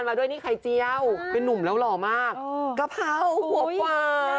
ว่าไข่เจียวเป็นนุ่มแล้วหล่อมากกระเพราหัวบว่า